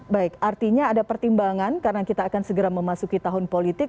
baik artinya ada pertimbangan karena kita akan segera memasuki tahun politik